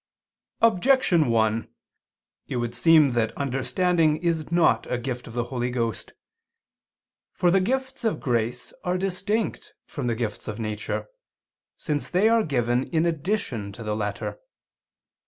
Objection 1: It would seem that understanding is not a gift of the Holy Ghost. For the gifts of grace are distinct from the gifts of nature, since they are given in addition to the latter.